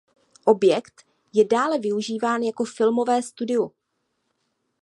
Objekt je dále využíván jako filmové studio.